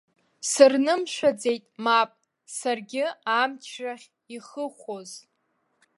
Сырнымшәаӡеит, мап, саргьы амчрахь ихыхәоз.